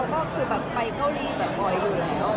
เพราะปกติเขาก็ไปเกาหลีบ่อยอยู่แล้ว